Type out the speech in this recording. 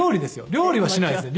料理はしないですね。